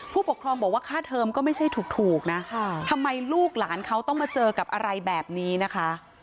ผู้ปกครองบอกว่าค่าเทอมก็ไม่ใช่ถูกนะทำไมลูกหลานเขาต้องมาเจอกับอะไรแบบนี้นะคะ